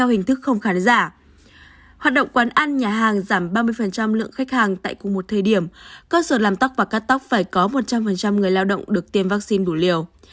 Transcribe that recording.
hoạt động quán ăn nhà hàng giảm ba mươi lượng khách hàng tại cùng một thời điểm cơ sở làm tóc và cắt tóc phải có một trăm linh người lao động được tiêm vaccine đủ liều